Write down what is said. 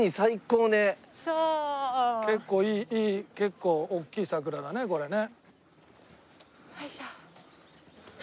結構いい結構大きい桜だねこれね。